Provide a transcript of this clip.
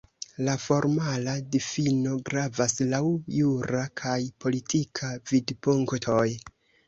La formala difino gravas laŭ jura kaj politika vidpunktoj.